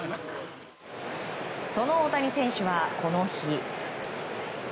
その大谷選手は、この日。